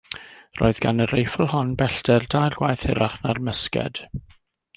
Roedd gan y reiffl hon bellter dair gwaith hirach na'r mysged.